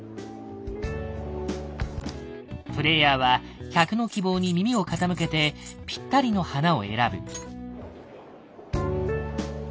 プレイヤーは客の希望に耳を傾けてぴったりの花を選ぶ。